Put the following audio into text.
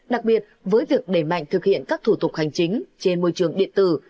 đặc biệt với việc đẩy mạnh thực hiện các thủ tục hành chính trên môi trường điện tử